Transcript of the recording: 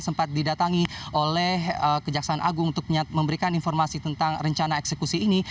sempat didatangi oleh kejaksaan agung untuk memberikan informasi tentang rencana eksekusi ini